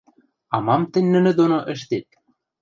— А мам тӹнь нӹнӹ доно ӹштет?